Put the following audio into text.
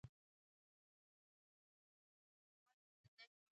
سپي د شتمنۍ محافظ وي.